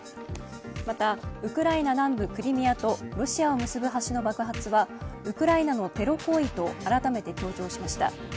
またウクライナ南部クリミアとロシアを結ぶ橋の爆発はウクライナのテロ行為と改めて強調しました。